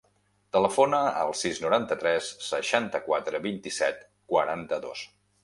Telefona al sis, noranta-tres, seixanta-quatre, vint-i-set, quaranta-dos.